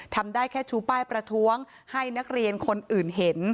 ทำได้แค่ชูป้ายประท้วงให้นักเรียนคนอื่นเห็น